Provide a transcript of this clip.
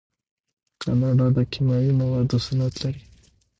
کاناډا د کیمیاوي موادو صنعت لري.